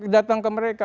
datang ke mereka